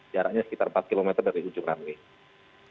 jaraknya sekitar empat km dari ujung runway